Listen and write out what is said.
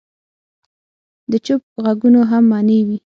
د چوپ ږغونو هم معنی وي.